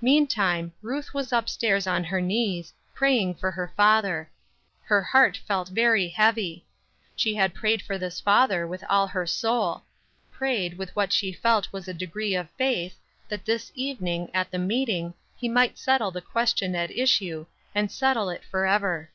Meantime, Ruth was up stairs on her knees, praying for her father. Her heart felt very heavy. She had prayed for this father with all her soul; prayed, with what she felt was a degree of faith, that this evening, at the meeting, he might settle the question at issue, and settle it forever.